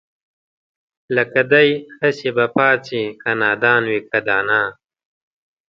لکه دئ هسې به پاڅي که نادان وي که دانا